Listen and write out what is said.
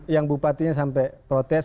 yang bupatinya sampai protes